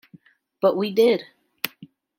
But we did.